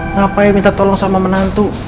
ngapain minta tolong sama menantu